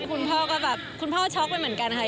คุณพ่อก็แบบคุณพ่อช็อกไปเหมือนกันค่ะ